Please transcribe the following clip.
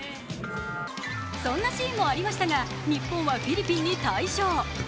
そんなシーンもありましたが日本はフィリピンに大勝。